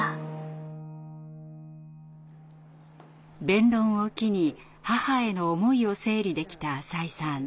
弁論を機に母への思いを整理できた浅井さん。